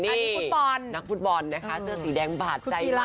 อันนี้นักฟุดบอลเสื้อสีแดงบาดใจมากค่ะ